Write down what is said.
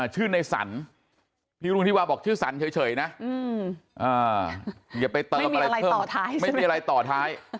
ชื่อในสันพี่รุ่งทิวาบอกชื่อสันเฉยนะไม่มีอะไรต่อท้าย